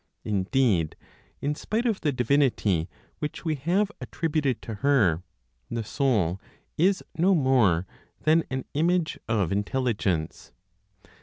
Indeed, in spite of the divinity which we have attributed to her, the Soul is no more than an image of Intelligence.